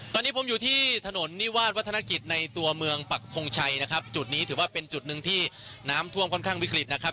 ตอนนี้ผมอยู่ที่ถนนนิวาสวัฒนกิจในตัวเมืองปักทงชัยนะครับจุดนี้ถือว่าเป็นจุดหนึ่งที่น้ำท่วมค่อนข้างวิกฤตนะครับ